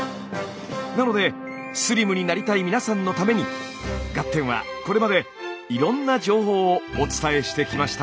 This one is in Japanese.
なのでスリムになりたい皆さんのために「ガッテン！」はこれまでいろんな情報をお伝えしてきました。